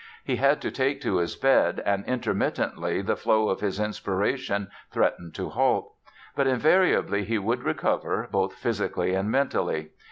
He had to take to his bed and, intermittently, the flow of his inspiration threatened to halt. But invariably he would recover, both physically and mentally.